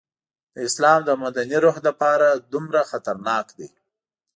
د اسلام د مدني روح لپاره دومره خطرناک دی.